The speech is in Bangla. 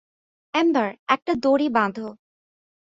এম্বার, একটা দড়ি বাঁধো।